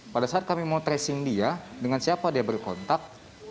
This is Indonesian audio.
pada saat kami mau tracing dia dengan siapa dia berkontak